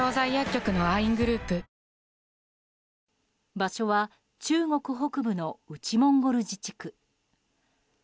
場所は中国北部の内モンゴル自治区。